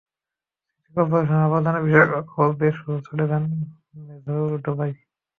City করপোরেশনের আবর্জনা বিশেষজ্ঞরা খবর পেয়ে সোজা ছুটে যান মেঝো ডোবায়।